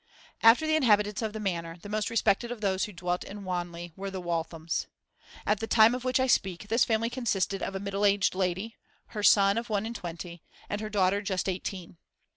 After the inhabitants of the Manor, the most respected of those who dwelt in Wanley were the Walthams. At the time of which I speak, this family consisted of a middle aged lady; her son, of one and twenty; and her daughter, just eighteen.